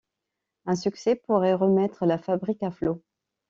Un succès pourrait remettre la fabrique à flot...